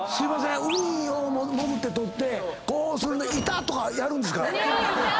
ウニを潜って取ってこうする痛っ！とかやるんですか？